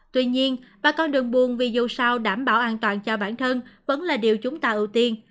tuy nhiên bà con đường buồn vì dù sao đảm bảo an toàn cho bản thân vẫn là điều chúng ta ưu tiên